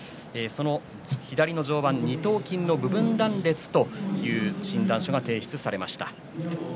左の上腕二頭筋の部分断裂という診断書が提出されました。